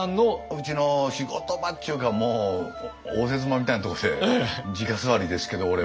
うちの仕事場っちゅうか応接間みたいなとこでじか座りですけど俺は。